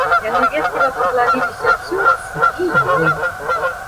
Яны ветліва пакланіліся цётцы і ёй.